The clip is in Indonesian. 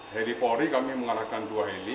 heli polri kami mengarahkan dua heli